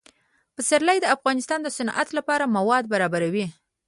پسرلی د افغانستان د صنعت لپاره مواد برابروي.